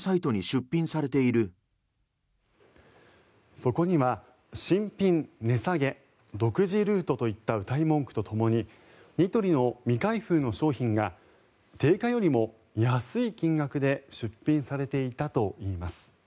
そこには「新品値下げ、独自ルート」といったうたい文句とともにニトリの未開封の商品が定価よりも安い金額で出品されていたといいます。